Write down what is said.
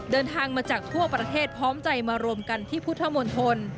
เดินทางมาจากทั่วประเทศพร้อมใจมารวมกันที่พุทธมนตร